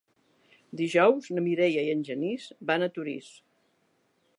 Dijous na Mireia i en Genís van a Torís.